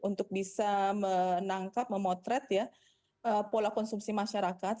untuk bisa menangkap memotret ya pola konsumsi masyarakat